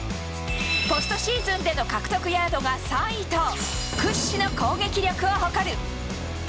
ポストシーズンでの獲得ヤードが３位と屈指の攻撃力を誇る。